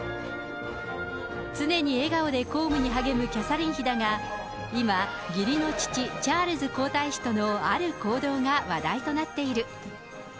常に笑顔で公務に励むキャサリン妃だが、今、義理の父、チャールズ皇太子とのある行動が話題となっている。